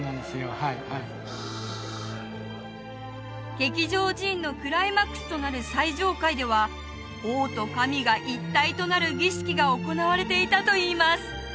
はいはいはあ劇場寺院のクライマックスとなる最上階では王と神が一体となる儀式が行われていたといいます